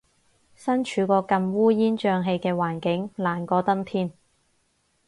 身處個咁烏煙瘴氣嘅環境，難過登天